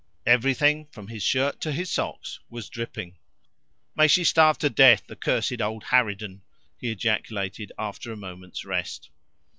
Everything, from his shirt to his socks, was dripping. "May she starve to death, the cursed old harridan!" he ejaculated after a moment's rest.